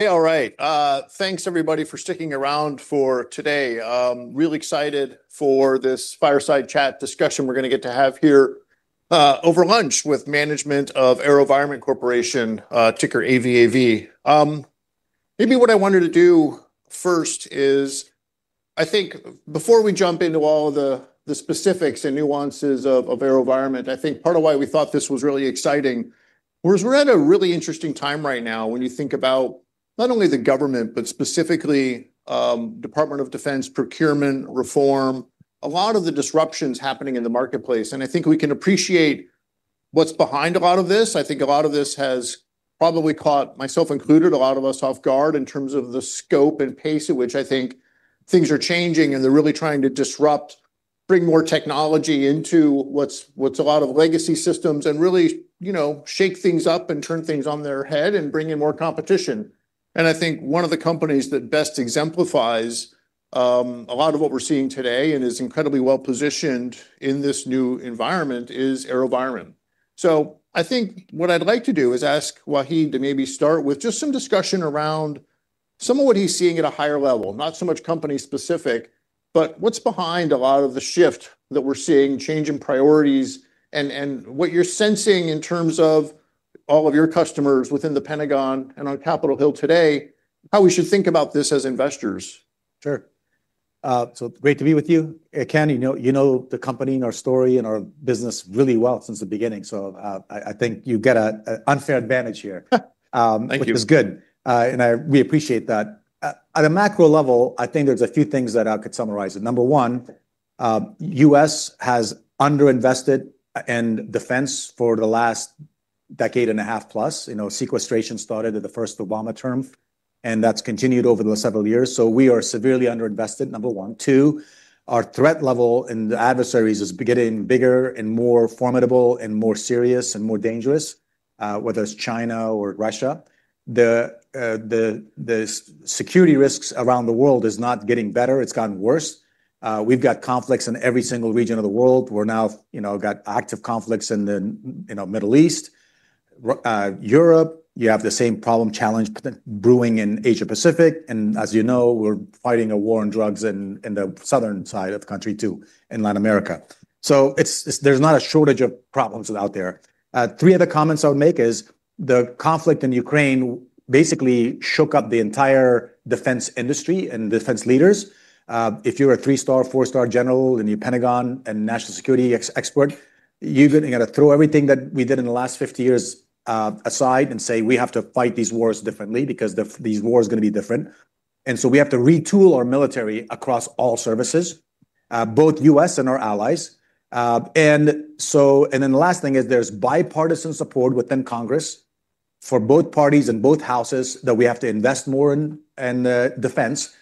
Hey, all right. Thanks everybody for sticking around for today. Really excited for this fireside chat discussion we're going to get to have here over lunch with management of AeroVironment, Inc., ticker AVAV. Maybe what I wanted to do first is, I think before we jump into all the specifics and nuances of AeroVironment, I think part of why we thought this was really exciting was we're at a really interesting time right now when you think about not only the government, but specifically, U.S. Department of Defense procurement reform, a lot of the disruptions happening in the marketplace. I think we can appreciate what's behind a lot of this. I think a lot of this has probably caught myself included, a lot of us off guard in terms of the scope and pace at which I think things are changing and they're really trying to disrupt, bring more technology into what's a lot of legacy systems and really, you know, shake things up and turn things on their head and bring in more competition. I think one of the companies that best exemplifies a lot of what we're seeing today and is incredibly well positioned in this new environment is AeroVironment. I think what I'd like to do is ask Wahid to maybe start with just some discussion around some of what he's seeing at a higher level, not so much company specific, but what's behind a lot of the shift that we're seeing, change in priorities, and what you're sensing in terms of all of your customers within the Pentagon and on Capitol Hill today, how we should think about this as investors. Sure. So great to be with you. Ken, you know the company and our story and our business really well since the beginning. I think you get an unfair advantage here, which is good. We appreciate that. At a macro level, I think there's a few things that I could summarize. Number one, the U.S. has underinvested in defense for the last decade and a half plus. Sequestration started at the first Obama term, and that's continued over the last several years. We are severely underinvested, number one. Two, our threat level and the adversaries are getting bigger and more formidable and more serious and more dangerous, whether it's China or Russia. The security risks around the world are not getting better. It's gotten worse. We've got conflicts in every single region of the world. We're now, you know, got active conflicts in the Middle East. Europe, you have the same problem challenge brewing in Asia Pacific. As you know, we're fighting a war on drugs in the southern side of the country, too, in Latin America. There's not a shortage of problems out there. Three other comments I would make is the conflict in Ukraine basically shook up the entire defense industry and defense leaders. If you're a three-star, four-star general in the Pentagon and national security expert, you're going to throw everything that we did in the last 50 years aside and say we have to fight these wars differently because these wars are going to be different. We have to retool our military across all services, both U.S. and our allies. The last thing is there's bipartisan support within Congress for both parties and both houses that we have to invest more in defense.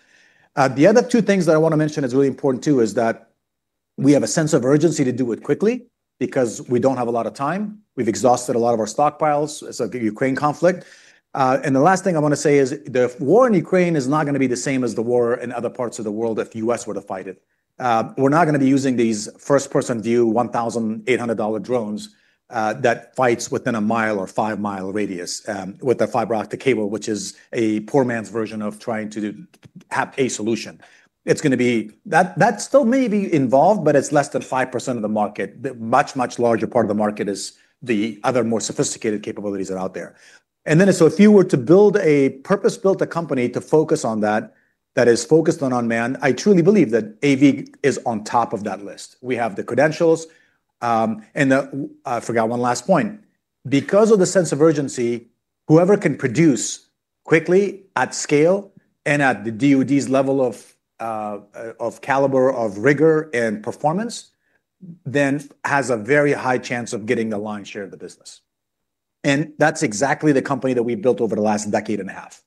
The other two things that I want to mention that are really important too is that we have a sense of urgency to do it quickly because we don't have a lot of time. We've exhausted a lot of our stockpiles since the Ukraine conflict. The last thing I want to say is the war in Ukraine is not going to be the same as the war in other parts of the world if the U.S. were to fight it. We're not going to be using these first-person view $1,800 drones that fight within a mile or five-mile radius with a fiber optic cable, which is a poor man's version of trying to have a solution. It's going to be that that still may be involved, but it's less than 5% of the market. The much, much larger part of the market is the other more sophisticated capabilities that are out there. If you were to build a purpose-built company to focus on that, that is focused on unmanned, I truly believe that AV is on top of that list. We have the credentials. I forgot one last point. Because of the sense of urgency, whoever can produce quickly at scale and at the U.S. Department of Defense's level of caliber, of rigor, and performance, then has a very high chance of getting the lion's share of the business. That's exactly the company that we've built over the last decade and a half.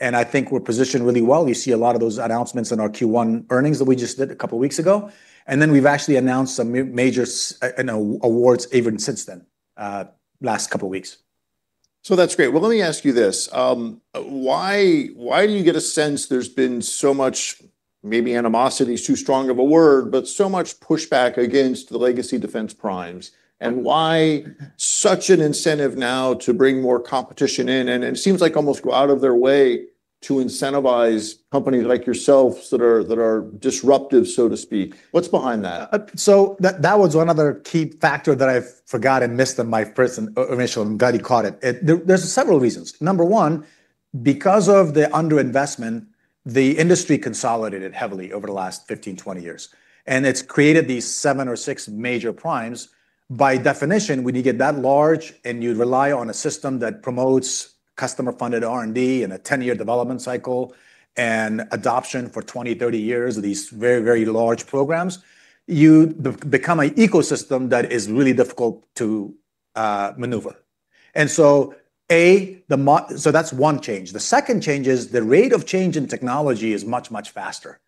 I think we're positioned really well. You see a lot of those announcements in our Q1 earnings that we just did a couple of weeks ago. We've actually announced some major awards even since then, last couple of weeks. Let me ask you this. Why do you get a sense there's been so much, maybe animosity is too strong of a word, but so much pushback against the legacy defense primes? Why such an incentive now to bring more competition in? It seems like almost going out of their way to incentivize companies like yourselves that are disruptive, so to speak. What's behind that? That was one other key factor that I forgot and missed in my first initial and got caught. There are several reasons. Number one, because of the underinvestment, the industry consolidated heavily over the last 15, 20 years. It has created these seven or six major primes. By definition, when you get that large and you rely on a system that promotes customer-funded R&D and a 10-year development cycle and adoption for 20, 30 years, these very, very large programs, you become an ecosystem that is really difficult to maneuver. That's one change. The second change is the rate of change in technology is much, much faster.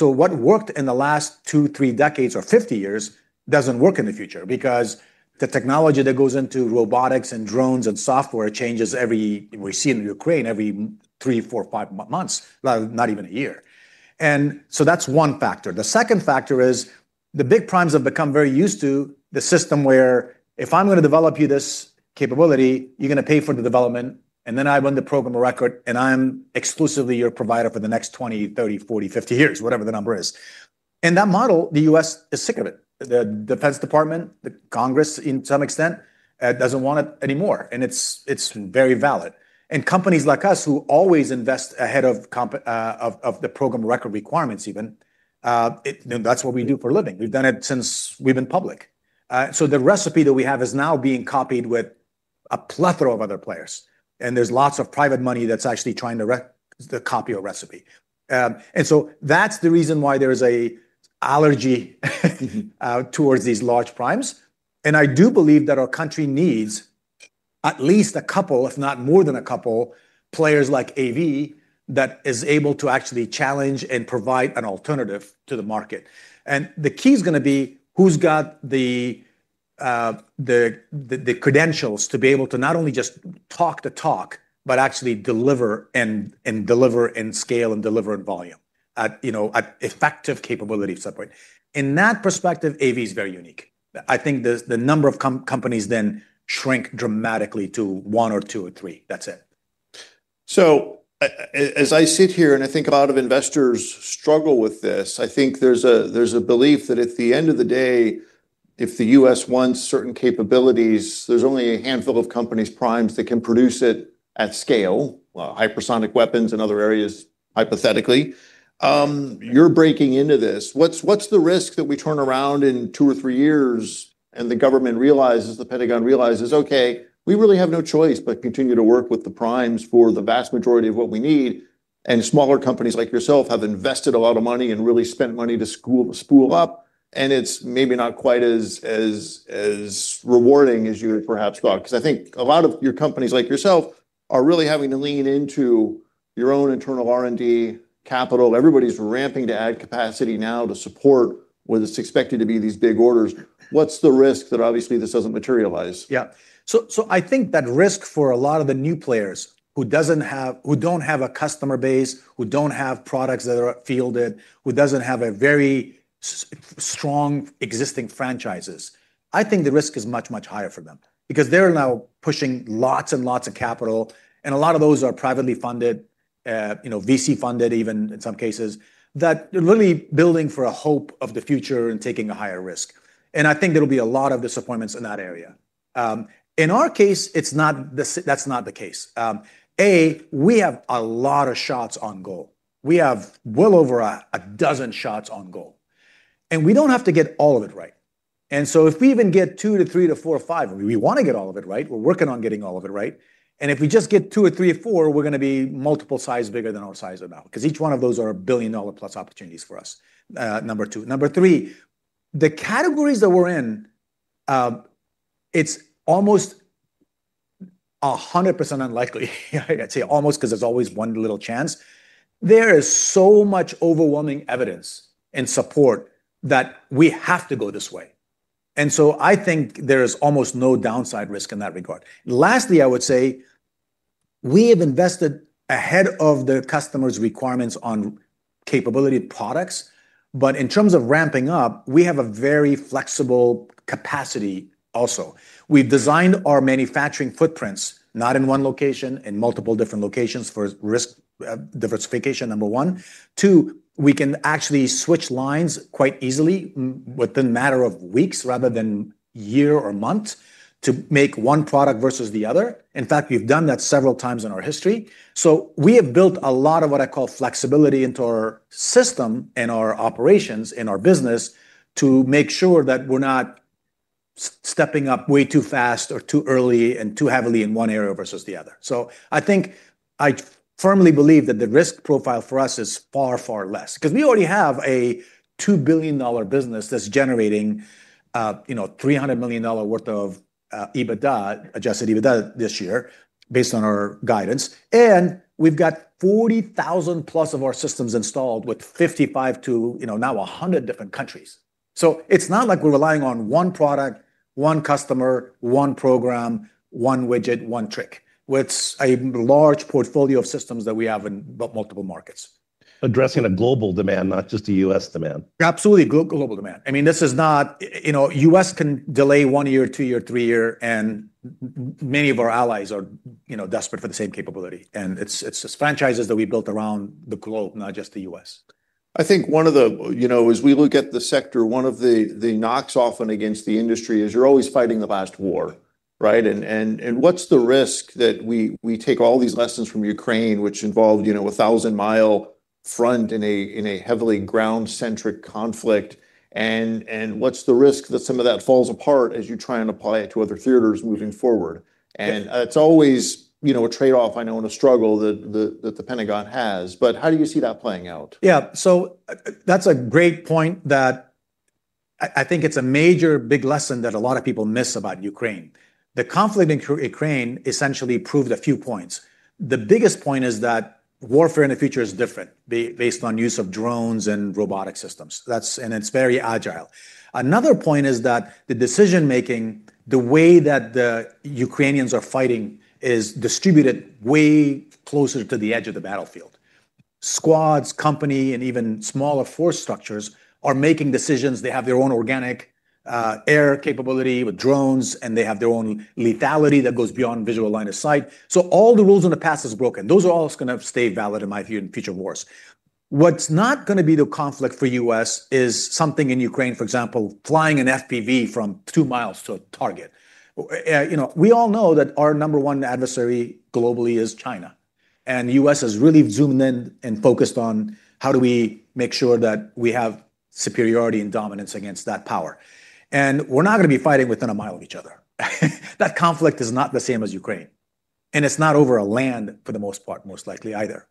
What worked in the last two, three decades or 50 years doesn't work in the future because the technology that goes into robotics and drones and software changes every, we see in Ukraine, every three, four, five months, not even a year. That's one factor. The second factor is the big primes have become very used to the system where if I'm going to develop you this capability, you're going to pay for the development. Then I run the program of record and I'm exclusively your provider for the next 20, 30, 40, 50 years, whatever the number is. That model, the U.S. is sick of it. The U.S. Department of Defense, the Congress, to some extent, doesn't want it anymore. It's very valid. Companies like us who always invest ahead of the program of record requirements, even, that's what we do for a living. We've done it since we've been public. The recipe that we have is now being copied with a plethora of other players. There is lots of private money that's actually trying to copy our recipe. That's the reason why there's an allergy towards these large primes. I do believe that our country needs at least a couple, if not more than a couple, players like AeroVironment that are able to actually challenge and provide an alternative to the market. The key is going to be who's got the credentials to be able to not only just talk the talk, but actually deliver and deliver in scale and deliver in volume at effective capability at some point. In that perspective, AeroVironment is very unique. I think the number of companies then shrinks dramatically to one or two or three. That's it. As I sit here and I think a lot of investors struggle with this, I think there's a belief that at the end of the day, if the U.S. wants certain capabilities, there's only a handful of companies, primes, that can produce it at scale, hypersonic weapons and other areas, hypothetically. You're breaking into this. What's the risk that we turn around in two or three years and the government realizes, the Pentagon realizes, okay, we really have no choice but to continue to work with the primes for the vast majority of what we need? Smaller companies like yourself have invested a lot of money and really spent money to spool up, and it's maybe not quite as rewarding as you perhaps thought. I think a lot of companies like yourself are really having to lean into your own internal R&D capital. Everybody's ramping to add capacity now to support what is expected to be these big orders. What's the risk that obviously this doesn't materialize? Yeah. I think that risk for a lot of the new players who don't have a customer base, who don't have products that are fielded, who don't have very strong existing franchises, the risk is much, much higher for them because they're now pushing lots and lots of capital. A lot of those are privately funded, you know, VC funded even in some cases. They're really building for a hope of the future and taking a higher risk. I think there will be a lot of disappointments in that area. In our case, that's not the case. We have a lot of shots on goal. We have well over a dozen shots on goal. We don't have to get all of it right. If we even get two to three to four or five, we want to get all of it right. We're working on getting all of it right. If we just get two or three or four, we're going to be multiple size bigger than our size because each one of those are a billion dollar plus opportunities for us. Number two. Number three, the categories that we're in, it's almost 100% unlikely. I'd say almost because there's always one little chance. There is so much overwhelming evidence and support that we have to go this way. I think there is almost no downside risk in that regard. Lastly, I would say we have invested ahead of the customer's requirements on capability products. In terms of ramping up, we have a very flexible capacity also. We've designed our manufacturing footprints not in one location, in multiple different locations for risk diversification, number one. Two, we can actually switch lines quite easily within a matter of weeks rather than a year or a month to make one product versus the other. In fact, we've done that several times in our history. We have built a lot of what I call flexibility into our system and our operations in our business to make sure that we're not stepping up way too fast or too early and too heavily in one area versus the other. I firmly believe that the risk profile for us is far, far less because we already have a $2 billion business that's generating $300 million worth of EBITDA, adjusted EBITDA this year based on our guidance. We've got 40,000 plus of our systems installed with 55 to, you know, now 100 different countries. It's not like we're relying on one product, one customer, one program, one widget, one trick. It's a large portfolio of systems that we have in multiple markets. Addressing a global demand, not just a U.S. demand. Absolutely, global demand. This is not, you know, U.S. can delay one year, two years, three years, and many of our allies are, you know, desperate for the same capability. It's franchises that we built around the globe, not just the U.S. I think one of the, you know, as we look at the sector, one of the knocks often against the industry is you're always fighting the last war, right? What's the risk that we take all these lessons from Ukraine, which involved, you know, a thousand-mile front in a heavily ground-centric conflict? What's the risk that some of that falls apart as you try and apply it to other theaters moving forward? It's always, you know, a trade-off, I know, and a struggle that the Pentagon has. How do you see that playing out? Yeah, so that's a great point that I think it's a major big lesson that a lot of people miss about Ukraine. The conflict in Ukraine essentially proved a few points. The biggest point is that warfare in the future is different based on the use of drones and robotic systems. It's very agile. Another point is that the decision-making, the way that the Ukrainians are fighting is distributed way closer to the edge of the battlefield. Squads, company, and even smaller force structures are making decisions. They have their own organic air capability with drones, and they have their own lethality that goes beyond visual line of sight. All the rules in the past are broken. Those are all going to stay valid, in my view, in future wars. What's not going to be the conflict for the U.S. is something in Ukraine, for example, flying an FPV from two miles to a target. We all know that our number one adversary globally is China. The U.S. has really zoomed in and focused on how do we make sure that we have superiority and dominance against that power. We're not going to be fighting within a mile of each other. That conflict is not the same as Ukraine. It's not over land for the most part, most likely either.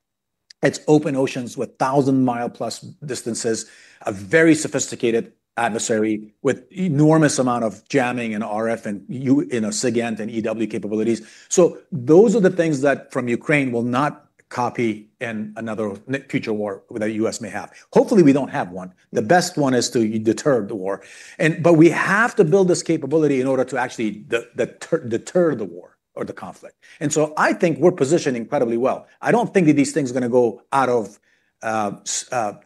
It's open oceans with thousand-mile plus distances, a very sophisticated adversary with an enormous amount of jamming and RF and SIGINT and EW capabilities. Those are the things that from Ukraine will not copy in another future war that the U.S. may have. Hopefully, we don't have one. The best one is to deter the war. We have to build this capability in order to actually deter the war or the conflict. I think we're positioned incredibly well. I don't think that these things are going to go out of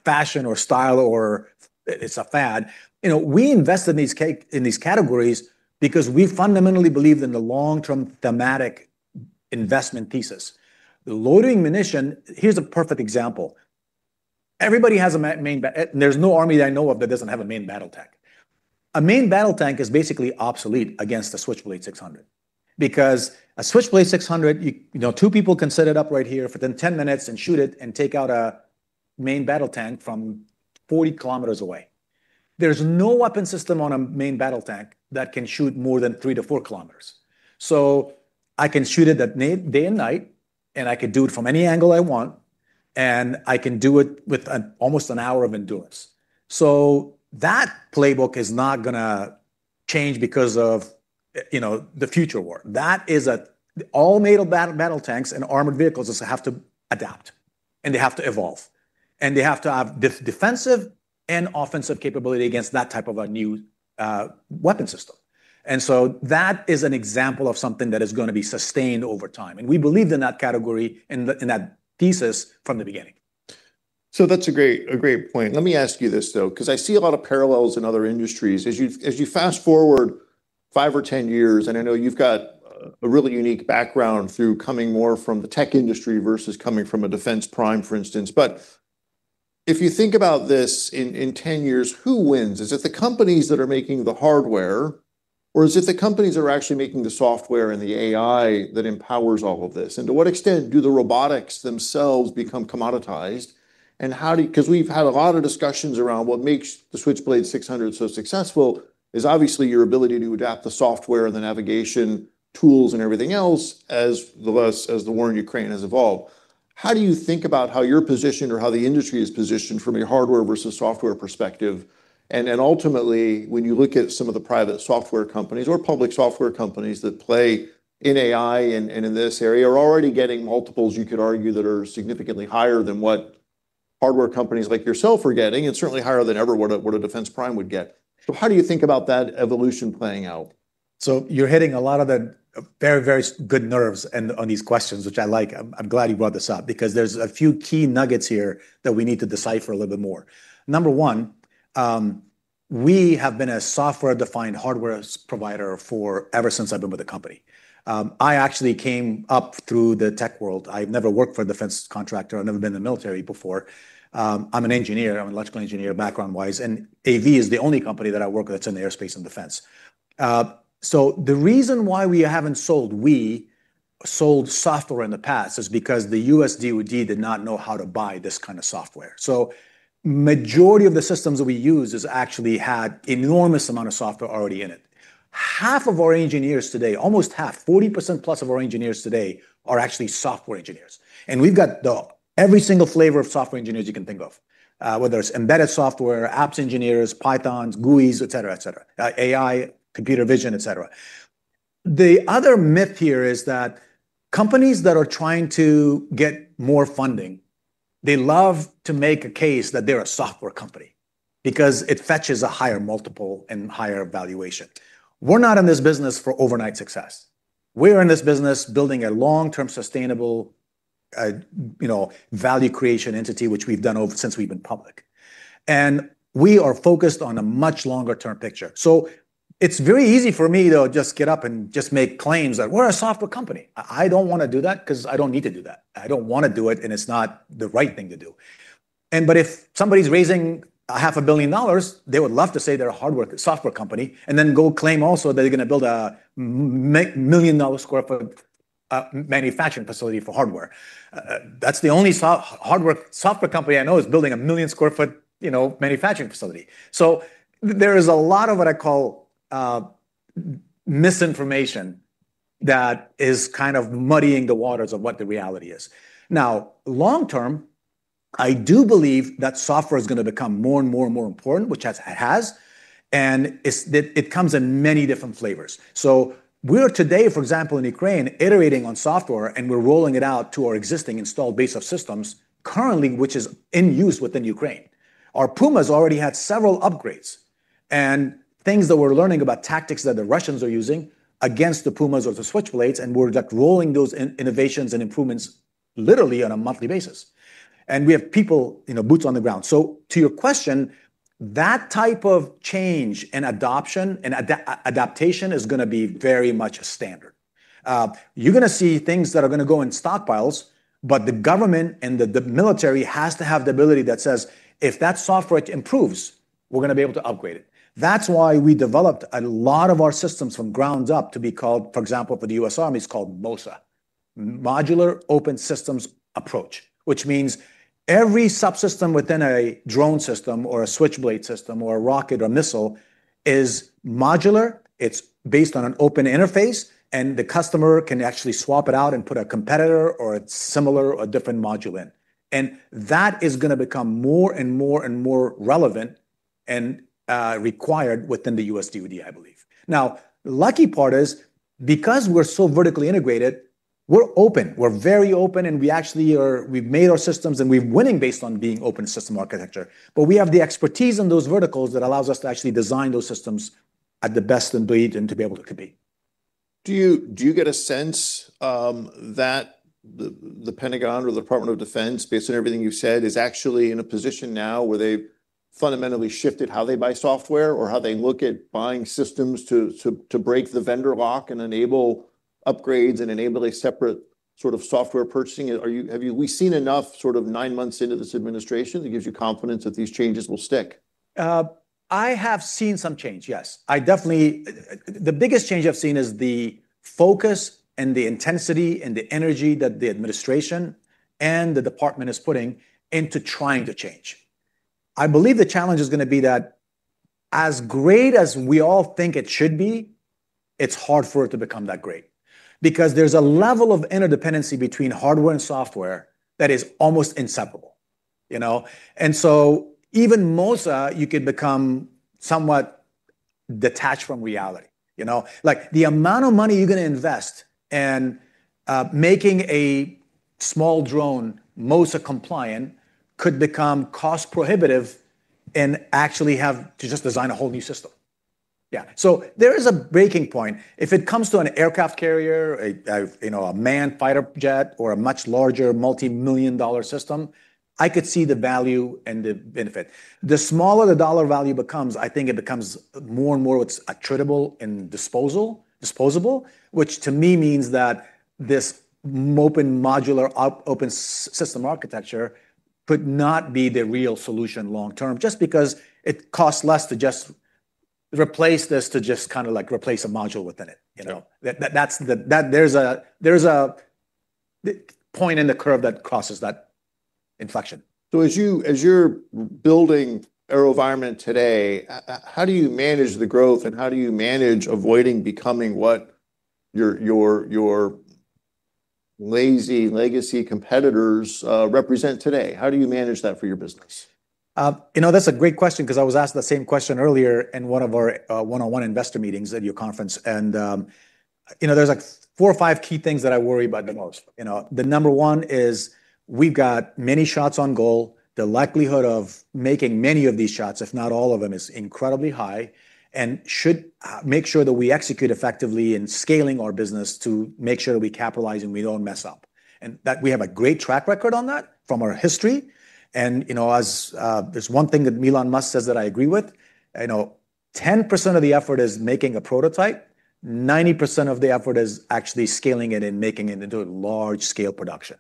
fashion or style or it's a fad. We invest in these categories because we fundamentally believe in the long-term thematic investment thesis. Loitering munition, here's a perfect example. Everybody has a main, and there's no army that I know of that doesn't have a main battle tank. A main battle tank is basically obsolete against a Switchblade 600. Because a Switchblade 600, you know, two people can set it up right here for 10 minutes and shoot it and take out a main battle tank from 40 kilometers away. There's no weapon system on a main battle tank that can shoot more than three to four kilometers. I can shoot it that day and night, and I could do it from any angle I want. I can do it with almost an hour of endurance. That playbook is not going to change because of, you know, the future war. That is that all naval battle tanks and armored vehicles have to adapt, and they have to evolve. They have to have defensive and offensive capability against that type of a new weapon system. That is an example of something that is going to be sustained over time. We believed in that category and that thesis from the beginning. That's a great point. Let me ask you this, though, because I see a lot of parallels in other industries. As you fast forward five or ten years, and I know you've got a really unique background through coming more from the tech industry versus coming from a defense prime, for instance. If you think about this in ten years, who wins? Is it the companies that are making the hardware, or is it the companies that are actually making the software and the AI that empowers all of this? To what extent do the robotics themselves become commoditized? How do you, because we've had a lot of discussions around what makes the Switchblade 600 so successful, is obviously your ability to adapt the software and the navigation tools and everything else as the war in Ukraine has evolved. How do you think about how you're positioned or how the industry is positioned from your hardware versus software perspective? Ultimately, when you look at some of the private software companies or public software companies that play in AI and in this area are already getting multiples, you could argue, that are significantly higher than what hardware companies like yourself are getting and certainly higher than ever what a defense prime would get. How do you think about that evolution playing out? You're hitting a lot of the very, very good nerves on these questions, which I like. I'm glad you brought this up because there's a few key nuggets here that we need to decipher a little bit more. Number one, we have been a software-defined hardware provider ever since I've been with the company. I actually came up through the tech world. I've never worked for a defense contractor. I've never been in the military before. I'm an engineer. I'm an electrical engineer background-wise. AV is the only company that I work with that's in the airspace and defense. The reason why we haven't sold, we sold software in the past is because the U.S. Department of Defense did not know how to buy this kind of software. The majority of the systems that we use actually had an enormous amount of software already in it. Almost half, 40% plus of our engineers today are actually software engineers. We've got every single flavor of software engineers you can think of, whether it's embedded software, apps engineers, Python, GUIs, AI, computer vision, et cetera. The other myth here is that companies that are trying to get more funding love to make a case that they're a software company because it fetches a higher multiple and higher valuation. We're not in this business for overnight success. We're in this business building a long-term sustainable value creation entity, which we've done since we've been public. We are focused on a much longer-term picture. It's very easy for me to just get up and just make claims that we're a software company. I don't want to do that because I don't need to do that. I don't want to do it, and it's not the right thing to do. If somebody's raising $500 million, they would love to say they're a hardware software company and then go claim also that they're going to build a $1 million square foot manufacturing facility for hardware. That's the only hardware software company I know is building a 1 million square foot manufacturing facility. There is a lot of what I call misinformation that is kind of muddying the waters of what the reality is. Long term, I do believe that software is going to become more and more and more important, which it has. It comes in many different flavors. We are today, for example, in Ukraine, iterating on software, and we're rolling it out to our existing installed base of systems currently, which is in use within Ukraine. Our Pumas already had several upgrades and things that we're learning about tactics that the Russians are using against the Pumas or the Switchblades, and we're just rolling those innovations and improvements literally on a monthly basis. We have people, you know, boots on the ground. To your question, that type of change and adoption and adaptation is going to be very much a standard. You're going to see things that are going to go in stockpiles, but the government and the military has to have the ability that says if that software improves, we're going to be able to upgrade it. That's why we developed a lot of our systems from ground up to be called, for example, for the U.S. Army, it's called MOSA, Modular Open Systems Architecture, which means every subsystem within a drone system or a Switchblade system or a rocket or a missile is modular. It's based on an open interface, and the customer can actually swap it out and put a competitor or a similar or different module in. That is going to become more and more and more relevant and required within the U.S. Department of Defense, I believe. The lucky part is because we're so vertically integrated, we're open. We're very open, and we actually are, we've made our systems, and we're winning based on being open system architecture. We have the expertise in those verticals that allows us to actually design those systems at the best in breed and to be able to compete. Do you get a sense that the Pentagon or the U.S. Department of Defense, based on everything you've said, is actually in a position now where they've fundamentally shifted how they buy software or how they look at buying systems to break the vendor lock and enable upgrades and enable a separate sort of software purchasing? Have you seen enough sort of nine months into this administration that gives you confidence that these changes will stick? I have seen some change, yes. I definitely, the biggest change I've seen is the focus and the intensity and the energy that the administration and the department is putting into trying to change. I believe the challenge is going to be that as great as we all think it should be, it's hard for it to become that great because there's a level of interdependency between hardware and software that is almost inseparable. Even modular open systems architecture, you could become somewhat detached from reality. The amount of money you're going to invest in making a small drone modular open systems architecture compliant could become cost prohibitive and actually have to just design a whole new system. There is a breaking point. If it comes to an aircraft carrier, a manned fighter jet or a much larger multimillion dollar system, I could see the value and the benefit. The smaller the dollar value becomes, I think it becomes more and more attributable and disposable, which to me means that this modular open systems architecture could not be the real solution long term just because it costs less to just replace this, to just kind of like replace a module within it. There's a point in the curve that causes that inflection. As you're building AeroVironment today, how do you manage the growth and how do you manage avoiding becoming what your lazy legacy competitors represent today? How do you manage that for your business? You know, that's a great question because I was asked the same question earlier in one of our one-on-one investor meetings at your conference. There's like four or five key things that I worry about the most. The number one is we've got many shots on goal. The likelihood of making many of these shots, if not all of them, is incredibly high and should make sure that we execute effectively in scaling our business to make sure that we capitalize and we don't mess up. We have a great track record on that from our history. As there's one thing that Elon Musk says that I agree with, you know, 10% of the effort is making a prototype. 90% of the effort is actually scaling it and making it into a large scale production.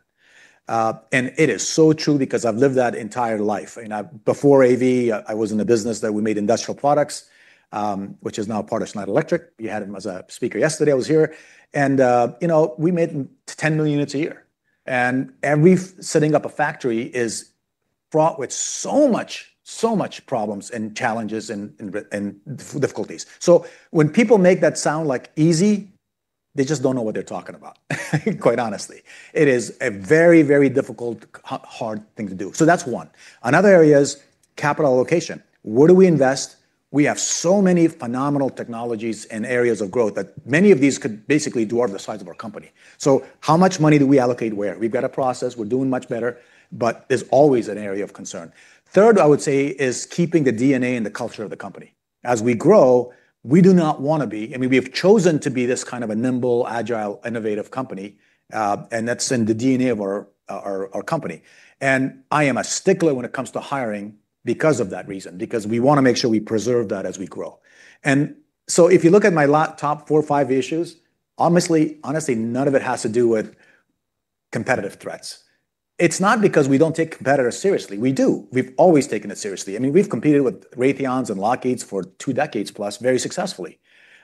It is so true because I've lived that entire life. Before AV, I was in a business that we made industrial products, which is now part of Schneider Electric. You had him as a speaker yesterday. I was here. We made 10 million units a year. We're setting up a factory that's fraught with so much, so much problems and challenges and difficulties. When people make that sound like easy, they just don't know what they're talking about, quite honestly. It is a very, very difficult, hard thing to do. That's one. Another area is capital allocation. Where do we invest? We have so many phenomenal technologies and areas of growth that many of these could basically do over the size of our company. How much money do we allocate where? We've got a process. We're doing much better. There's always an area of concern. Third, I would say, is keeping the DNA and the culture of the company. As we grow, we do not want to be, I mean, we've chosen to be this kind of a nimble, agile, innovative company. That's in the DNA of our company. I am a stickler when it comes to hiring because of that reason, because we want to make sure we preserve that as we grow. If you look at my top four or five issues, honestly, none of it has to do with competitive threats. It's not because we don't take competitors seriously. We do. We've always taken it seriously. I mean, we've competed with Raytheons and Lockheeds for two decades plus, very successfully.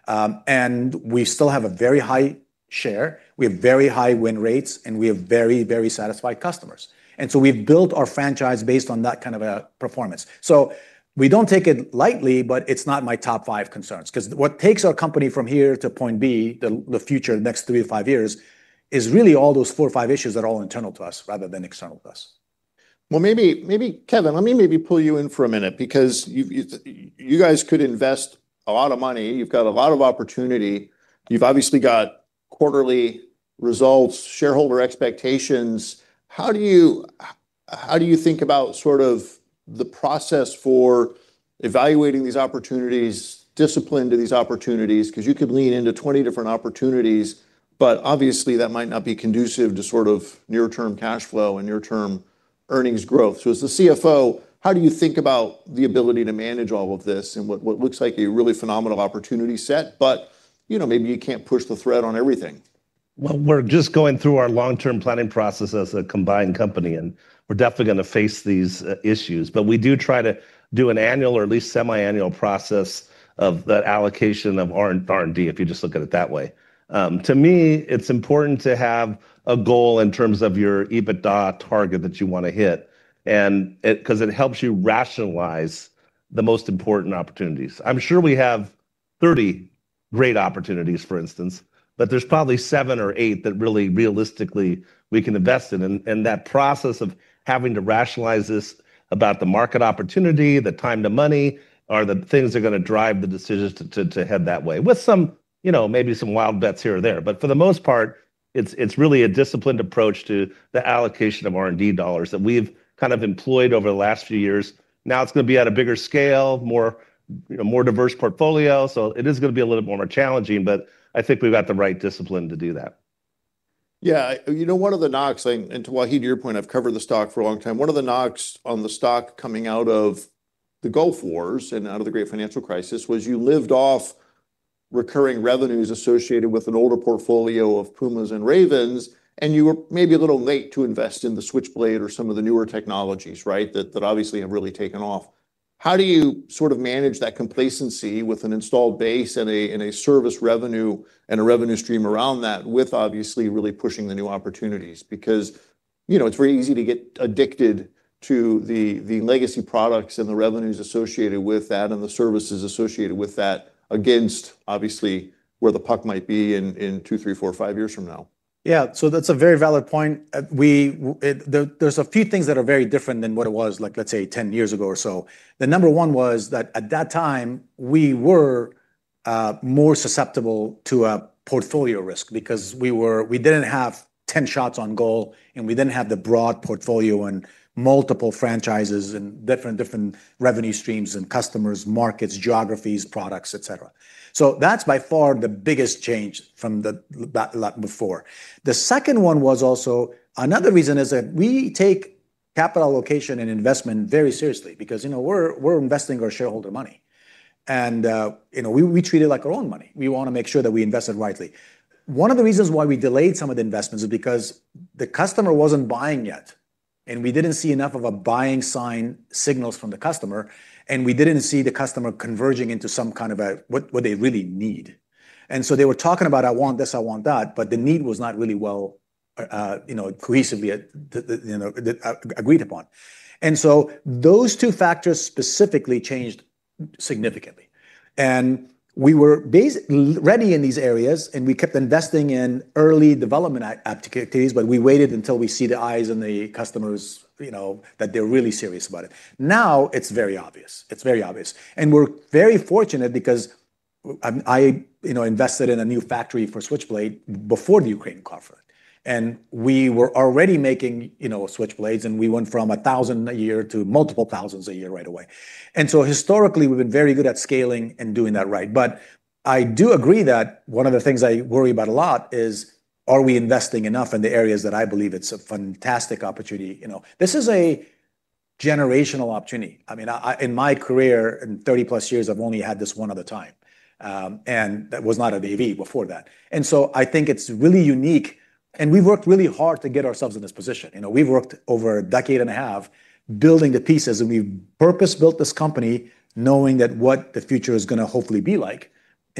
We still have a very high share. We have very high win rates, and we have very, very satisfied customers. We've built our franchise based on that kind of a performance. We don't take it lightly, but it's not my top five concerns because what takes our company from here to point B, the future next three to five years, is really all those four or five issues that are all internal to us rather than external to us. Kevin, let me maybe pull you in for a minute because you guys could invest a lot of money. You've got a lot of opportunity. You've obviously got quarterly results, shareholder expectations. How do you think about sort of the process for evaluating these opportunities, discipline to these opportunities? You could lean into 20 different opportunities, but obviously that might not be conducive to sort of near-term cash flow and near-term earnings growth. As the Chief Financial Officer, how do you think about the ability to manage all of this and what looks like a really phenomenal opportunity set, but you know, maybe you can't push the thread on everything? We're just going through our long-term planning process as a combined company, and we're definitely going to face these issues. We do try to do an annual or at least semi-annual process of that allocation of R&D, if you just look at it that way. To me, it's important to have a goal in terms of your EBITDA target that you want to hit, because it helps you rationalize the most important opportunities. I'm sure we have 30 great opportunities, for instance, but there's probably seven or eight that really realistically we can invest in. That process of having to rationalize this about the market opportunity, the time to money, are the things that are going to drive the decisions to head that way, with some, you know, maybe some wild bets here or there. For the most part, it's really a disciplined approach to the allocation of R&D dollars that we've kind of employed over the last few years. Now it's going to be at a bigger scale, more diverse portfolio. It is going to be a little bit more challenging, but I think we've got the right discipline to do that. Yeah, you know, one of the knocks, and to Wahid, your point, I've covered the stock for a long time. One of the knocks on the stock coming out of the Gulf Wars and out of the great financial crisis was you lived off recurring revenues associated with an older portfolio of Pumas and Ravens, and you were maybe a little late to invest in the Switchblade or some of the newer technologies, right, that obviously have really taken off. How do you sort of manage that complacency with an installed base and a service revenue and a revenue stream around that with obviously really pushing the new opportunities? Because, you know, it's very easy to get addicted to the legacy products and the revenues associated with that and the services associated with that against obviously where the puck might be in two, three, four, five years from now. Yeah, so that's a very valid point. There are a few things that are very different than what it was, like let's say 10 years ago or so. The number one was that at that time, we were more susceptible to a portfolio risk because we didn't have 10 shots on goal, and we didn't have the broad portfolio and multiple franchises and different revenue streams and customers, markets, geographies, products, et cetera. That's by far the biggest change from before. The second one was also another reason is that we take capital allocation and investment very seriously because, you know, we're investing our shareholder money. We treat it like our own money. We want to make sure that we invest it rightly. One of the reasons why we delayed some of the investments is because the customer wasn't buying yet. We didn't see enough of a buying sign signals from the customer. We didn't see the customer converging into some kind of what they really need. They were talking about, I want this, I want that, but the need was not really well, you know, cohesively, you know, agreed upon. Those two factors specifically changed significantly. We were ready in these areas, and we kept investing in early development activities, but we waited until we see the eyes and the customers, you know, that they're really serious about it. Now it's very obvious. It's very obvious. We're very fortunate because I, you know, invested in a new factory for Switchblade before the Ukraine conference. We were already making, you know, Switchblades, and we went from 1,000 a year to multiple thousands a year right away. Historically, we've been very good at scaling and doing that right. I do agree that one of the things I worry about a lot is, are we investing enough in the areas that I believe it's a fantastic opportunity? This is a generational opportunity. I mean, in my career, in 30 plus years, I've only had this one other time. That was not at AeroVironment before that. I think it's really unique. We've worked really hard to get ourselves in this position. We've worked over a decade and a half building the pieces, and we purpose-built this company knowing that what the future is going to hopefully be like.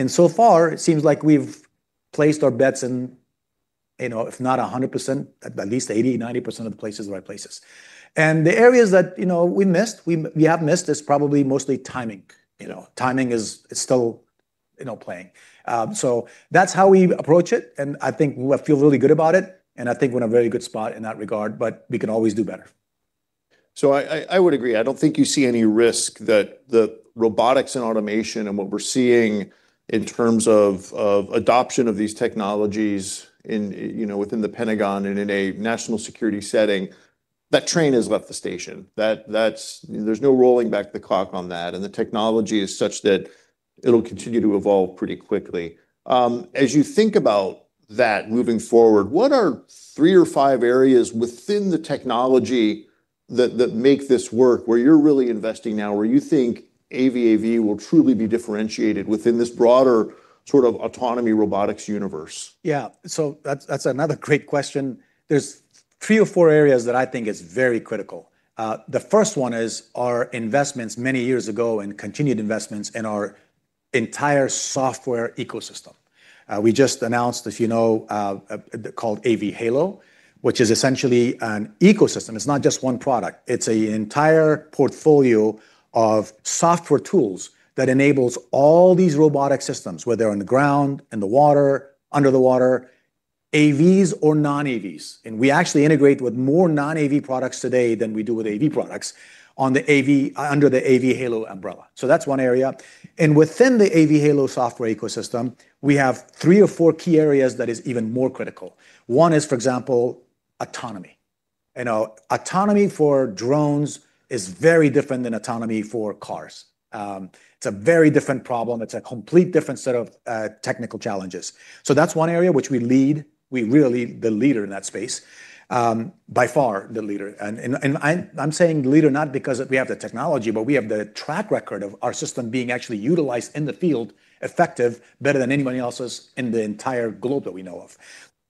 So far, it seems like we've placed our bets in, you know, if not 100%, at least 80%, 90% of the places are the right places. The areas that, you know, we missed, we have missed is probably mostly timing. Timing is still, you know, playing. That's how we approach it. I think we feel really good about it. I think we're in a very good spot in that regard, but we can always do better. I would agree. I don't think you see any risk that the robotics and automation and what we're seeing in terms of adoption of these technologies within the Pentagon and in a national security setting, that train has left the station. There's no rolling back the clock on that. The technology is such that it'll continue to evolve pretty quickly. As you think about that moving forward, what are three or five areas within the technology that make this work where you're really investing now, where you think AVAV will truly be differentiated within this broader sort of autonomy robotics universe? Yeah, that's another great question. There are three or four areas that I think are very critical. The first one is our investments many years ago and continued investments in our entire software ecosystem. We just announced, as you know, called AV Halo, which is essentially an ecosystem. It's not just one product. It's an entire portfolio of software tools that enable all these robotic systems, whether they're on the ground, in the water, under the water, AVs or non-AVs. We actually integrate with more non-AV products today than we do with AV products under the AV Halo umbrella. That's one area. Within the AV Halo software ecosystem, we have three or four key areas that are even more critical. One is, for example, autonomy. You know, autonomy for drones is very different than autonomy for cars. It's a very different problem. It's a completely different set of technical challenges. That's one area which we lead. We really are the leader in that space, by far the leader. I'm saying leader not because we have the technology, but we have the track record of our system being actually utilized in the field, effective, better than anybody else's in the entire globe that we know of.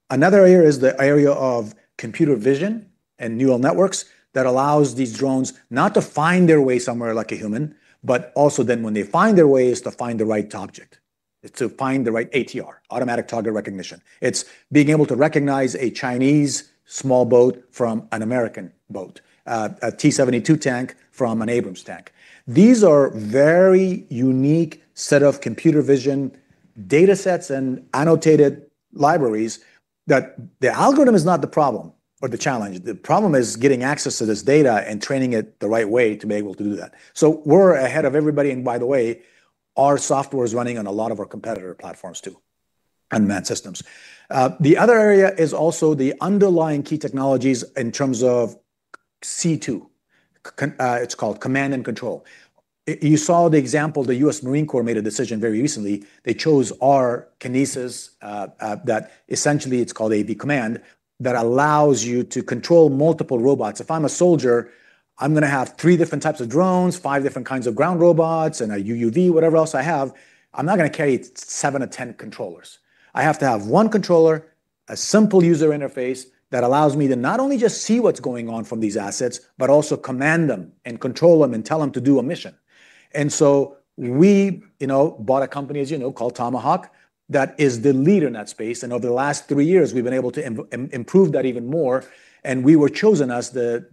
Another area is the area of computer vision and neural networks that allows these drones not to find their way somewhere like a human, but also then when they find their way is to find the right object. It's to find the right ATR, automatic target recognition. It's being able to recognize a Chinese small boat from an American boat, a T-72 tank from an Abrams tank. These are a very unique set of computer vision data sets and annotated libraries. The algorithm is not the problem or the challenge. The problem is getting access to this data and training it the right way to be able to do that. We're ahead of everybody. By the way, our software is running on a lot of our competitor platforms too, unmanned systems. The other area is also the underlying key technologies in terms of C2. It's called command and control. You saw the example the U.S. Marine Corps made a decision very recently. They chose our Kinesis that essentially it's called AV Command that allows you to control multiple robots. If I'm a soldier, I'm going to have three different types of drones, five different kinds of ground robots, and a UUV, whatever else I have. I'm not going to carry seven or ten controllers. I have to have one controller, a simple user interface that allows me to not only just see what's going on from these assets, but also command them and control them and tell them to do a mission. We bought a company, as you know, called Tomahawk that is the leader in that space. Over the last three years, we've been able to improve that even more. We were chosen as the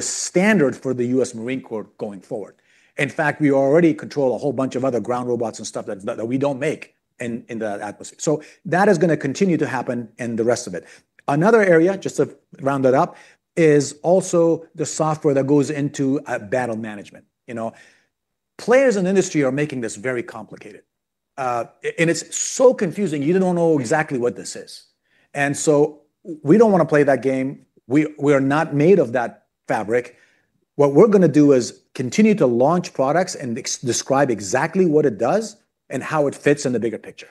standard for the U.S. Marine Corps going forward. In fact, we already control a whole bunch of other ground robots and stuff that we don't make in that atmosphere. That is going to continue to happen in the rest of it. Another area, just to round it up, is also the software that goes into battle management. Players in the industry are making this very complicated. It's so confusing. You don't know exactly what this is. We don't want to play that game. We are not made of that fabric. What we're going to do is continue to launch products and describe exactly what it does and how it fits in the bigger picture.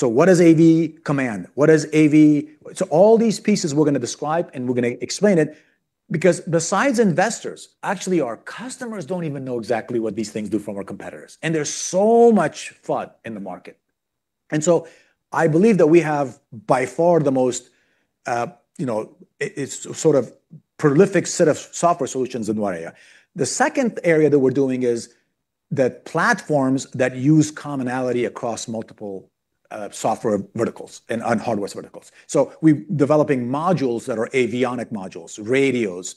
What is AV Command? What is AV? All these pieces we're going to describe and we're going to explain it because besides investors, actually our customers don't even know exactly what these things do from our competitors. There's so much fraud in the market. I believe that we have by far the most, you know, it's sort of a prolific set of software solutions in one area. The second area that we're doing is the platforms that use commonality across multiple software verticals and hardware verticals. We're developing modules that are avionic modules, radios,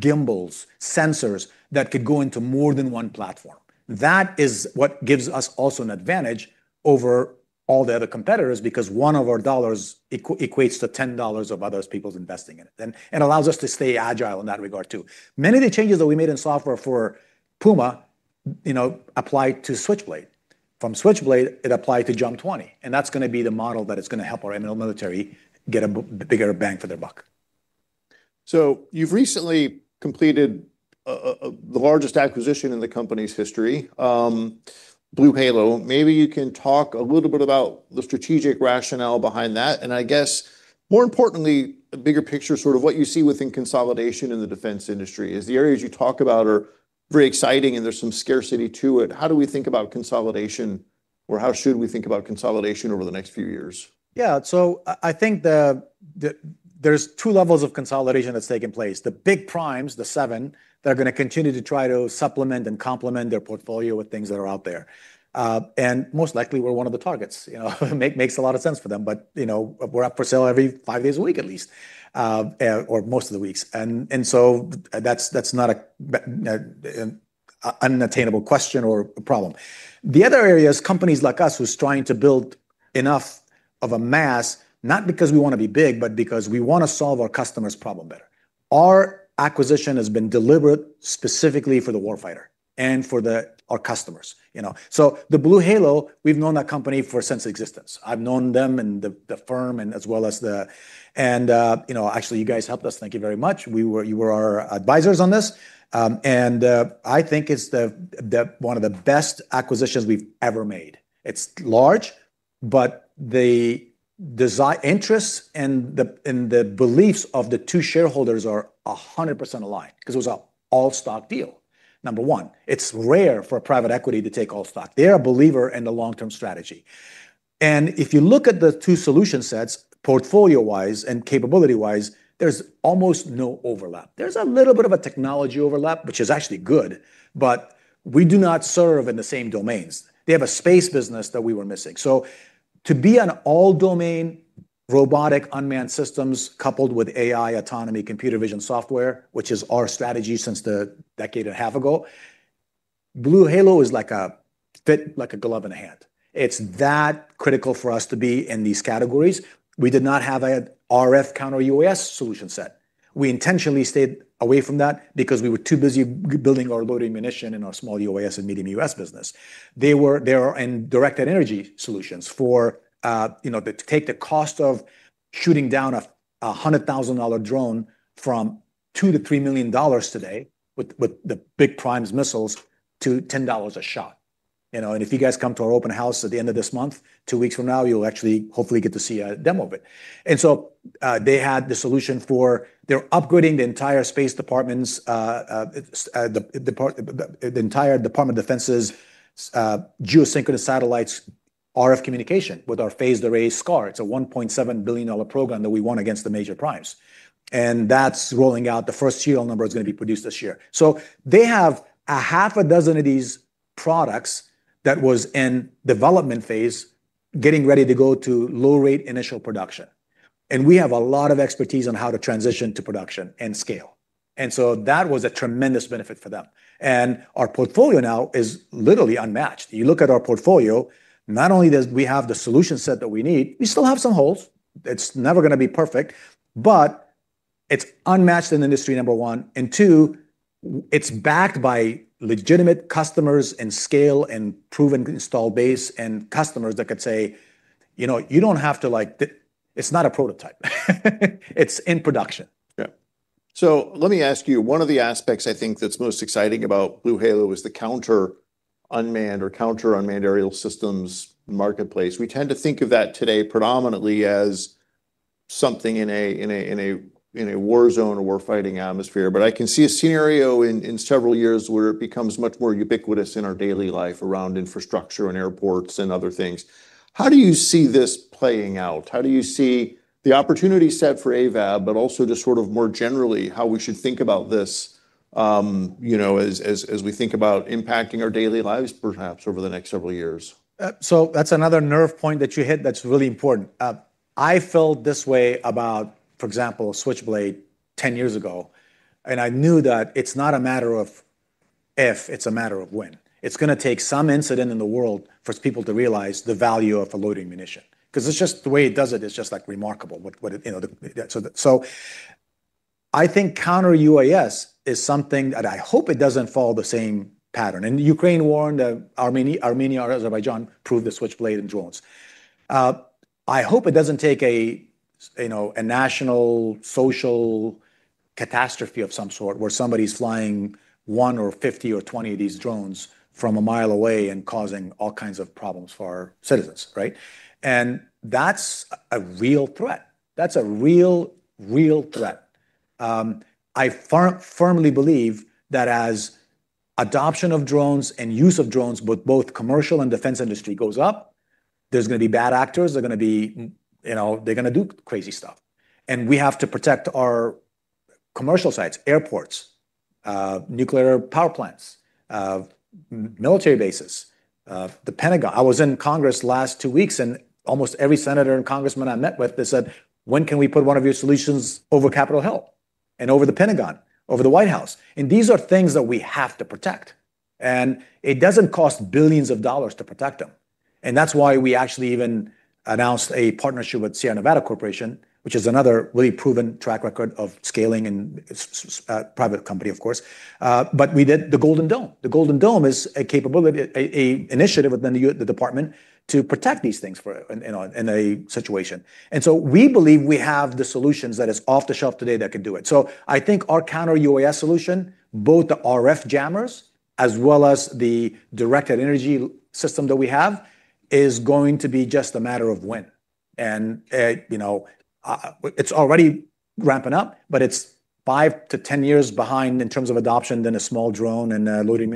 gimbals, sensors that could go into more than one platform. That is what gives us also an advantage over all the other competitors because one of our dollars equates to $10 of other people's investing in it. It allows us to stay agile in that regard too. Many of the changes that we made in software for Puma, you know, applied to Switchblade. From Switchblade, it applied to JUMP 20. That's going to be the model that is going to help our military get a bigger bang for their buck. You've recently completed the largest acquisition in the company's history, BlueHalo. Maybe you can talk a little bit about the strategic rationale behind that. I guess more importantly, a bigger picture, sort of what you see within consolidation in the defense industry is the areas you talk about are very exciting and there's some scarcity to it. How do we think about consolidation or how should we think about consolidation over the next few years? Yeah, so I think there's two levels of consolidation that's taking place. The big primes, the seven, they're going to continue to try to supplement and complement their portfolio with things that are out there. Most likely, we're one of the targets. You know, it makes a lot of sense for them. You know, we're up for sale every five days a week at least, or most of the weeks. That's not an unattainable question or a problem. The other area is companies like us who are trying to build enough of a mass, not because we want to be big, but because we want to solve our customers' problem better. Our acquisition has been deliberate specifically for the warfighter and for our customers. The BlueHalo, we've known that company since existence. I've known them and the firm as well as the, and you know, actually you guys helped us. Thank you very much. You were our advisors on this. I think it's one of the best acquisitions we've ever made. It's large, but the design interests and the beliefs of the two shareholders are 100% aligned because it was an all-stock deal. Number one, it's rare for private equity to take all stock. They're a believer in the long-term strategy. If you look at the two solution sets, portfolio-wise and capability-wise, there's almost no overlap. There's a little bit of a technology overlap, which is actually good, but we do not serve in the same domains. They have a space business that we were missing. To be an all-domain unmanned systems prime coupled with AI autonomy, computer vision software, which is our strategy since a decade and a half ago, BlueHalo is like a fit, like a glove in a hand. It's that critical for us to be in these categories. We did not have an RF counter-unmanned aerial systems solution set. We intentionally stayed away from that because we were too busy building our loitering munition in our small UAS and medium UAS business. They were in directed energy solutions to take the cost of shooting down a $100,000 drone from $2 million to $3 million today with the big primes' missiles to $10 a shot. If you guys come to our open house at the end of this month, two weeks from now, you'll actually hopefully get to see a demo of it. They had the solution for upgrading the entire space departments, the entire U.S. Department of Defense's geosynchronous satellites RF communication with our phased array SCAR. It's a $1.7 billion program that we won against the major primes. That's rolling out. The first serial number is going to be produced this year. They have half a dozen of these products that were in development phase, getting ready to go to low-rate initial production. We have a lot of expertise on how to transition to production and scale. That was a tremendous benefit for them. Our portfolio now is literally unmatched. You look at our portfolio, not only do we have the solution set that we need, we still have some holes. It's never going to be perfect, but it's unmatched in industry, number one. It's backed by legitimate customers and scale and proven install base and customers that could say, you know, you don't have to like, it's not a prototype. It's in production. Yeah. Let me ask you, one of the aspects I think that's most exciting about BlueHalo is the counter-unmanned aerial systems marketplace. We tend to think of that today predominantly as something in a war zone or war fighting atmosphere. I can see a scenario in several years where it becomes much more ubiquitous in our daily life around infrastructure and airports and other things. How do you see this playing out? How do you see the opportunity set for AeroVironment, but also just sort of more generally how we should think about this, you know, as we think about impacting our daily lives perhaps over the next several years? That's another nerve point that you hit that's really important. I felt this way about, for example, Switchblade 10 years ago. I knew that it's not a matter of if, it's a matter of when. It's going to take some incident in the world for people to realize the value of a loitering munition because it's just the way it does it. It's just like remarkable. I think counter-unmanned aerial systems is something that I hope doesn't follow the same pattern. The Ukraine war and the Armenia or Azerbaijan proved the Switchblade and drones. I hope it doesn't take a national social catastrophe of some sort where somebody's flying one or 50 or 20 of these drones from a mile away and causing all kinds of problems for our citizens, right? That's a real threat. That's a real, real threat. I firmly believe that as adoption of drones and use of drones, both commercial and defense industry, goes up, there's going to be bad actors. They're going to do crazy stuff. We have to protect our commercial sites, airports, nuclear power plants, military bases, the Pentagon. I was in Congress the last two weeks, and almost every senator and congressman I met with said, "When can we put one of your solutions over Capitol Hill and over the Pentagon, over the White House?" These are things that we have to protect. It doesn't cost billions of dollars to protect them. That's why we actually even announced a partnership with Sierra Nevada Corporation, which is another really proven track record of scaling and it's a private company, of course. We did the Golden Dome. The Golden Dome is an initiative within the department to protect these things in a situation. We believe we have the solutions that are off the shelf today that can do it. I think our counter-unmanned aerial systems solution, both the RF jammers as well as the directed energy system that we have, is going to be just a matter of when. It's already ramping up, but it's five to ten years behind in terms of adoption than a small drone and a loitering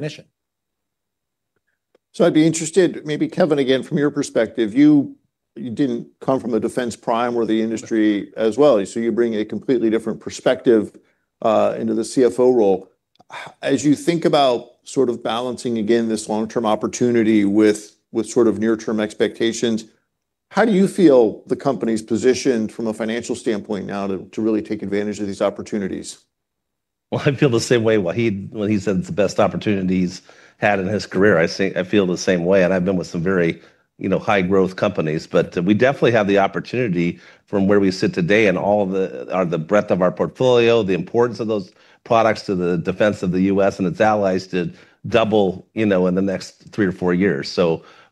munition. I'd be interested, maybe Kevin, again, from your perspective, you didn't come from the defense prime or the industry as well. You bring a completely different perspective into the CFO role. As you think about sort of balancing again this long-term opportunity with sort of near-term expectations, how do you feel the company's position from a financial standpoint now to really take advantage of these opportunities? I feel the same way. Wahid, when he said the best opportunities he's had in his career, I feel the same way. I've been with some very, you know, high-growth companies, but we definitely have the opportunity from where we sit today and all of the breadth of our portfolio, the importance of those products to the defense of the U.S. and its allies to double, you know, in the next three or four years.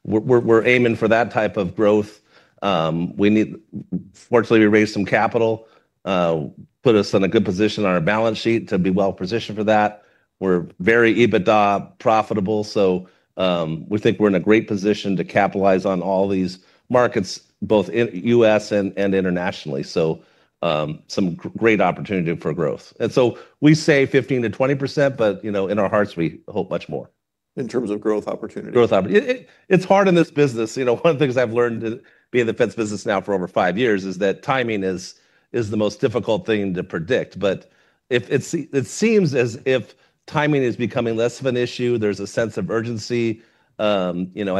We're aiming for that type of growth. Fortunately, we raised some capital, put us in a good position on our balance sheet to be well positioned for that. We're very EBITDA profitable. We think we're in a great position to capitalize on all these markets, both in the U.S. and internationally. Some great opportunity for growth. We say 15% to 20%, but, you know, in our hearts, we hope much more. In terms of growth opportunity. Growth opportunity. It's hard in this business. One of the things I've learned being in the defense business now for over five years is that timing is the most difficult thing to predict. It seems as if timing is becoming less of an issue. There's a sense of urgency. I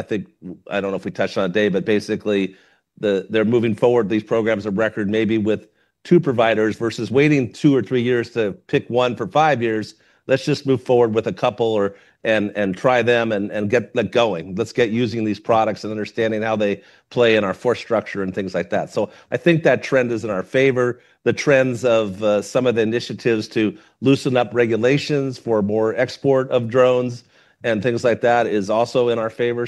think, I don't know if we touched on it, Dave, but basically they're moving forward these programs of record maybe with two providers versus waiting two or three years to pick one for five years. Let's just move forward with a couple and try them and get that going. Let's get using these products and understanding how they play in our force structure and things like that. I think that trend is in our favor. The trends of some of the initiatives to loosen up regulations for more export of drones and things like that are also in our favor.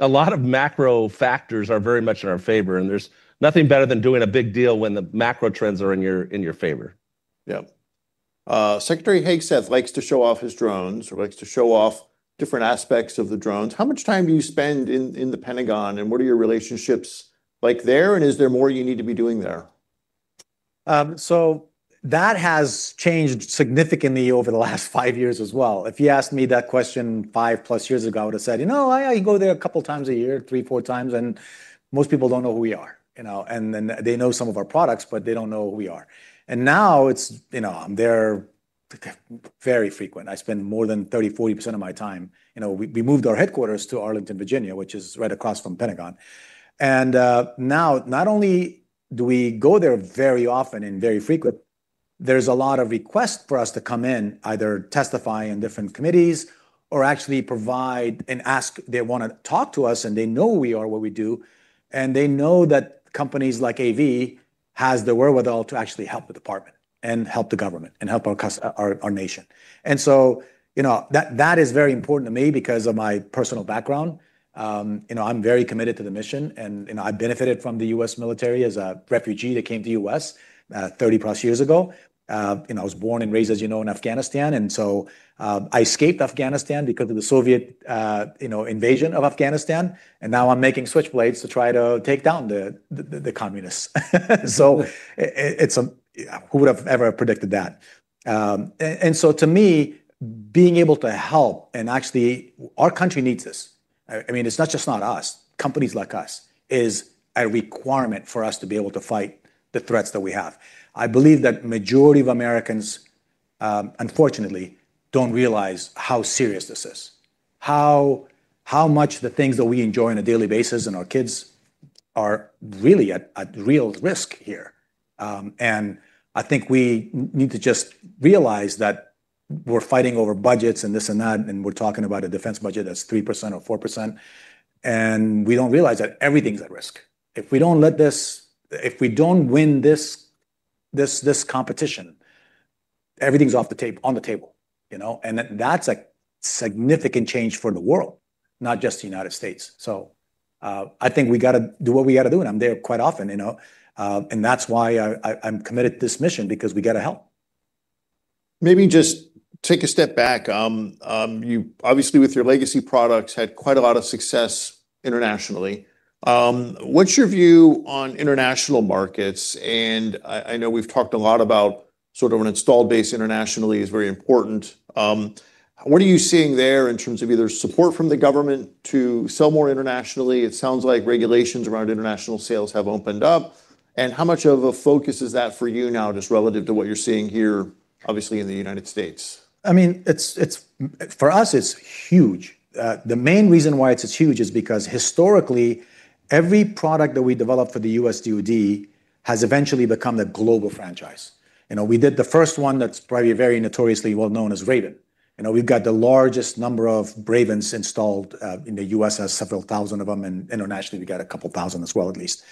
A lot of macro factors are very much in our favor. There's nothing better than doing a big deal when the macro trends are in your favor. Yeah. Secretary Hegseth likes to show off his drones or likes to show off different aspects of the drones. How much time do you spend in the Pentagon, and what are your relationships like there, and is there more you need to be doing there? That has changed significantly over the last five years as well. If you asked me that question five plus years ago, I would have said, you know, I go there a couple of times a year, three, four times, and most people don't know who we are, you know, and then they know some of our products, but they don't know who we are. Now it's, you know, I'm there very frequent. I spend more than 30%, 40% of my time, you know, we moved our headquarters to Arlington, Virginia, which is right across from the Pentagon. Now, not only do we go there very often and very frequently, there's a lot of requests for us to come in, either testify in different committees or actually provide and ask they want to talk to us and they know we are what we do. They know that companies like AeroVironment have the wherewithal to actually help the department and help the government and help our nation. That is very important to me because of my personal background. You know, I'm very committed to the mission and, you know, I benefited from the U.S. military as a refugee that came to the U.S. 30 plus years ago. I was born and raised, as you know, in Afghanistan. I escaped Afghanistan because of the Soviet, you know, invasion of Afghanistan. Now I'm making Switchblades to try to take down the communists. Who would have ever predicted that? To me, being able to help and actually, our country needs this. I mean, it's not just not us. Companies like us are a requirement for us to be able to fight the threats that we have. I believe that the majority of Americans, unfortunately, don't realize how serious this is. How much the things that we enjoy on a daily basis and our kids are really at real risk here. I think we need to just realize that we're fighting over budgets and this and that, and we're talking about a defense budget that's 3% or 4%. We don't realize that everything's at risk. If we don't win this competition, everything's on the table. That's a significant change for the world, not just the United States. I think we got to do what we got to do, and I'm there quite often, you know, and that's why I'm committed to this mission because we got to help. Maybe just take a step back. You obviously, with your legacy products, had quite a lot of success internationally. What's your view on international markets? I know we've talked a lot about sort of an installed base internationally is very important. What are you seeing there in terms of either support from the government to sell more internationally? It sounds like regulations around international sales have opened up. How much of a focus is that for you now just relative to what you're seeing here, obviously in the United States? I mean, for us, it's huge. The main reason why it's huge is because historically, every product that we developed for the U.S. Department of Defense has eventually become a global franchise. You know, we did the first one that's probably very notoriously well known as Raven. You know, we've got the largest number of Ravens installed in the U.S., several thousand of them, and internationally, we've got a couple thousand as well, at least.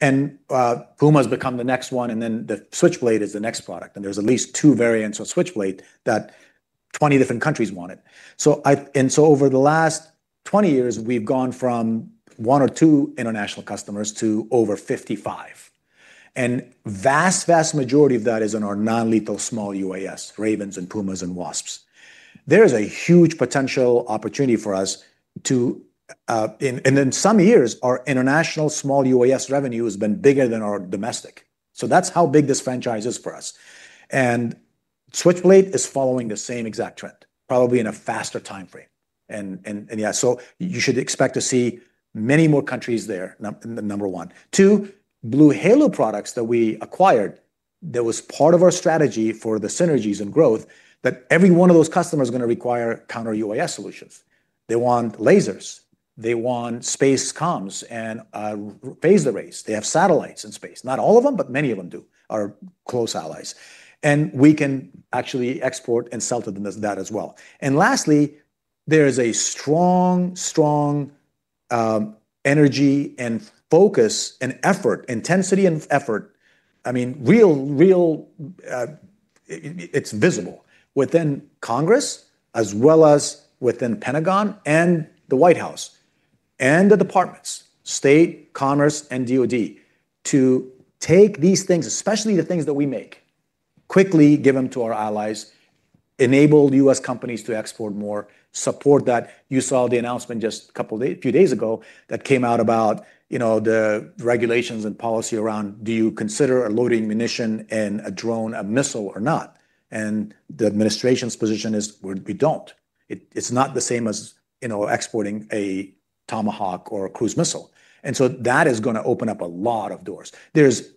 Puma has become the next one, and then the Switchblade is the next product. There's at least two variants of Switchblade that 20 different countries wanted. Over the last 20 years, we've gone from one or two international customers to over 55. The vast, vast majority of that is in our non-lethal small UAS, Ravens and Pumas and Wasps. There's a huge potential opportunity for us too, and in some years, our international small UAS revenue has been bigger than our domestic. That's how big this franchise is for us. Switchblade is following the same exact trend, probably in a faster time frame. You should expect to see many more countries there, number one. Two, BlueHalo products that we acquired, that was part of our strategy for the synergies and growth, that every one of those customers is going to require counter-unmanned aerial systems solutions. They want lasers. They want space comms and phased arrays. They have satellites in space. Not all of them, but many of them do, our close allies. We can actually export and sell to them that as well. Lastly, there is a strong, strong energy and focus and effort, intensity and effort. I mean, real, real, it's visible within Congress, as well as within the Pentagon and the White House and the departments, State, Commerce, and the U.S. Department of Defense to take these things, especially the things that we make, quickly give them to our allies, enable the U.S. companies to export more, support that. You saw the announcement just a few days ago that came out about, you know, the regulations and policy around, do you consider a loitering munition and a drone, a missile or not? The administration's position is we don't. It's not the same as, you know, exporting a Tomahawk or a cruise missile. That is going to open up a lot of doors. There's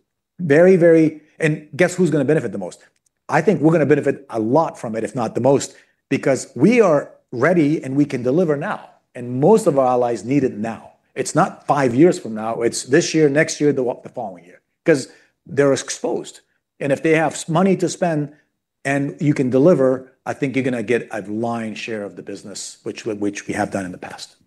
very, very, and guess who's going to benefit the most? I think we're going to benefit a lot from it, if not the most, because we are ready and we can deliver now. Most of our allies need it now. It's not five years from now. It's this year, next year, the following year, because they're exposed. If they have money to spend and you can deliver, I think you're going to get a lion's share of the business, which we have done in the past.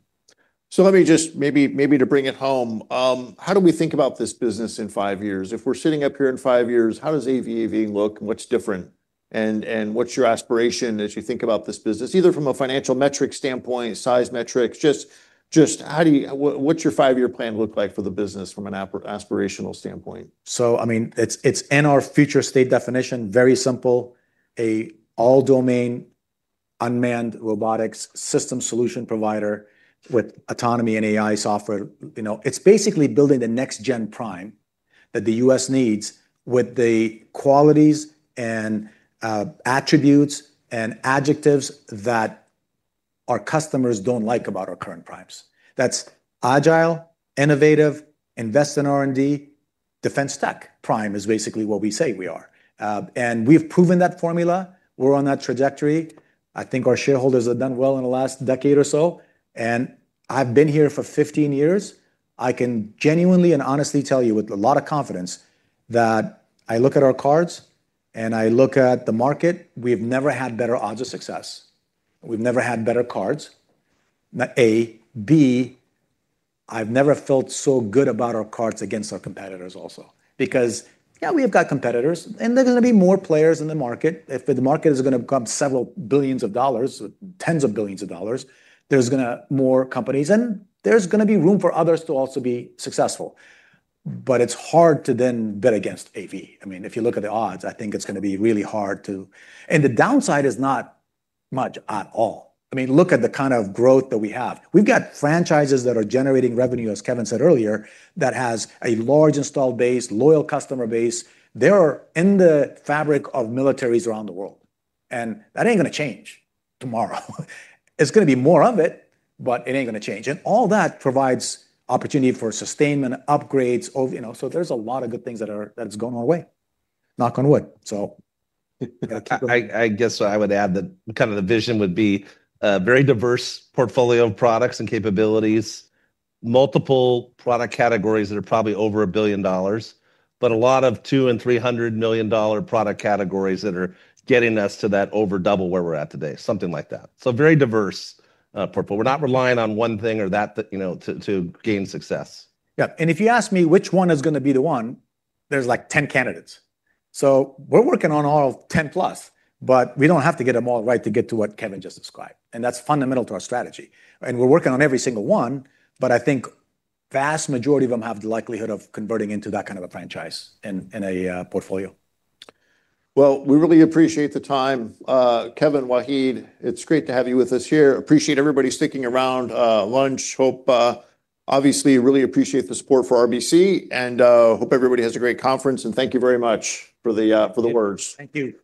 Let me just maybe to bring it home. How do we think about this business in five years? If we're sitting up here in five years, how does AVAV look and what's different? What's your aspiration as you think about this business, either from a financial metrics standpoint, size metrics, just how do you, what's your five-year plan look like for the business from an aspirational standpoint? It is in our future state definition, very simple, an all-domain unmanned robotics system solution provider with autonomy and AI software. It's basically building the next-gen prime that the U.S. needs with the qualities and attributes and adjectives that our customers don't like about our current primes. That's agile, innovative, invests in R&D, defense tech prime is basically what we say we are. We've proven that formula. We're on that trajectory. I think our shareholders have done well in the last decade or so. I've been here for 15 years. I can genuinely and honestly tell you with a lot of confidence that I look at our cards and I look at the market. We've never had better odds of success. We've never had better cards. A, B, I've never felt so good about our cards against our competitors also, because yeah, we have got competitors and there are going to be more players in the market. If the market is going to become several billions of dollars, tens of billions of dollars, there's going to be more companies and there's going to be room for others to also be successful. It is hard to then bet against AV. If you look at the odds, I think it's going to be really hard to, and the downside is not much at all. Look at the kind of growth that we have. We've got franchises that are generating revenue, as Kevin McDonnell said earlier, that has a large installed base, loyal customer base. They're in the fabric of militaries around the world. That ain't going to change tomorrow. It's going to be more of it, but it ain't going to change. All that provides opportunity for sustainment upgrades, so there's a lot of good things that are going our way. Knock on wood. I would add that kind of the vision would be a very diverse portfolio of products and capabilities, multiple product categories that are probably over $1 billion, but a lot of $200 million and $300 million product categories that are getting us to that over double where we're at today, something like that. Very diverse portfolio. We're not relying on one thing or that, you know, to gain success. Yeah, if you ask me which one is going to be the one, there's like 10 candidates. We're working on all 10 plus, but we don't have to get them all right to get to what Kevin just described. That's fundamental to our strategy. We're working on every single one, but I think the vast majority of them have the likelihood of converting into that kind of a franchise and a portfolio. We really appreciate the time. Kevin, Wahid, it's great to have you with us here. Appreciate everybody sticking around. Lunch, hope, obviously really appreciate the support for RBC and hope everybody has a great conference. Thank you very much for the words. Thank you.